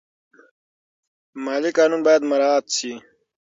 مالي قانون باید مراعات شي.